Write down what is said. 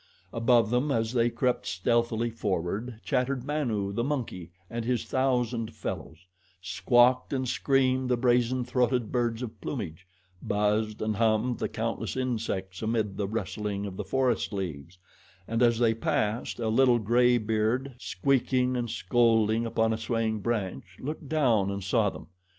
Above them, as they crept stealthily forward, chattered Manu, the monkey, and his thousand fellows; squawked and screamed the brazen throated birds of plumage; buzzed and hummed the countless insects amid the rustling of the forest leaves, and, as they passed, a little gray beard, squeaking and scolding upon a swaying branch, looked down and saw them.